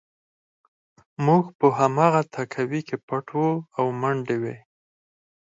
موږ په هماغه تهکوي کې پټ وو او منډې وې